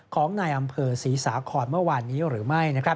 ของนายอำเภอศรีสาครเมื่อวานนี้หรือไม่